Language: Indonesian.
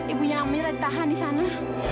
ibunya hamil ditahan di sana